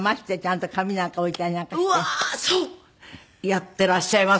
やっていらっしゃいますね。